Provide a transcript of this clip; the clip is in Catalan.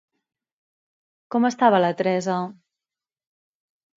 Com estava la Teresa?